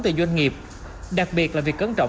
về doanh nghiệp đặc biệt là việc cấn trọng